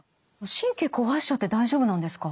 神経壊しちゃって大丈夫なんですか？